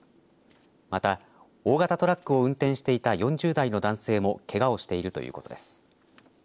また、大型トラックを運転していた４０代の男性もけがをしているということです。